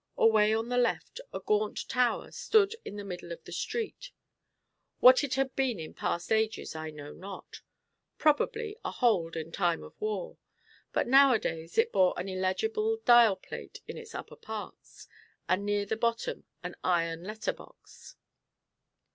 Away on the left, a gaunt tower stood in the middle of the street. What it had been in past ages, I know not: probably a hold in time of war; but now a days it bore an illegible dial plate in its upper parts, and near the bottom an iron letter box.